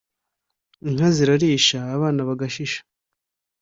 inka zirarisha abana bagashisha